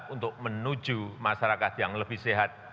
untuk menuju masyarakat yang lebih sehat